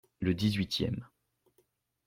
Le dix-huitième.